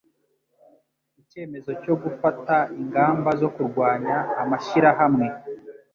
icyemezo cyo gufata ingamba zo kurwanya amashyirahamwe